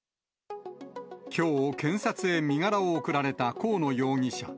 きょう、検察へ身柄を送られた河野容疑者。